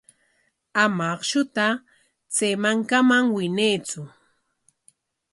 Ama akshuta chay mankaman winaytsu.